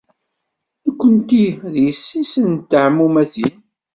Nekkenti d yessi-s n teɛmumatin.